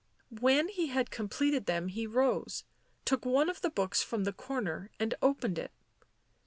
lATien he had completed them he rose, took one of the books from the corner and opened it.